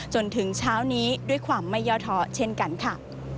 จนถึงเช้านี้ด้วยความไม่ย่อท้อเช่นกันค่ะ